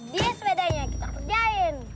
dia sepedanya kita kerjain